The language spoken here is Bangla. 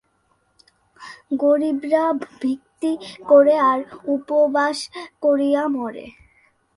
গরিবরা ভক্তি করে আর উপবাস করিয়া মরে।